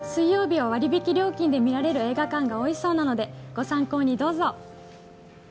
水曜日は割引料金で見られる映画館が多いそうなので、ご参考にどうぞ。